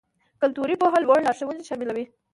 کلتوري پوهه لوړ لارښوونې شاملوي.